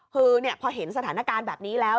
คือพอเห็นสถานการณ์แบบนี้แล้ว